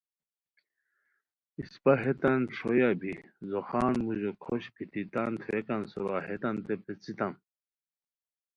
اِسپہ ہیتان ݰویہ بی ځوخان موژو کھوشت بیتی تان تھوویکان سورا ہیتانتے پیڅھیتام